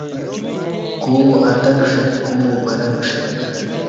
کو اتکݜیک کو برں شیک